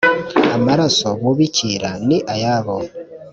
Amaraso bubikira ni ayabo,